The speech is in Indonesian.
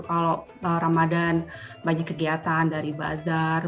kalau ramadan banyak kegiatan dari bazar